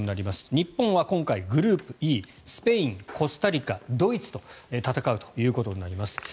日本は今回、グループＥスペイン、コスタリカ、ドイツと戦うということになります。